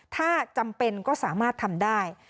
ถ้าจำเป็นก็สามารถทำได้